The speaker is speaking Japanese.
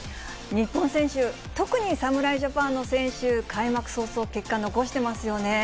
日本選手、特に侍ジャパンの選手、開幕早々、結果残してますよね。